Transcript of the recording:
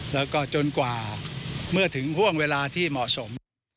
แล้วก็จนกว่าเมื่อถึงห่วงเวลาที่เหมาะสม